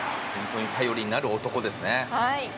頼りになる男ですね。